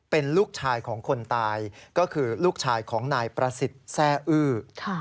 เป็นลูกชายของคนตายก็คือลูกชายของนายประสิทธิ์แทร่อื้อ